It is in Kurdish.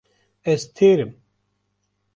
Ez têr im.